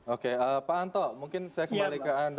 oke pak anto mungkin saya kembali ke anda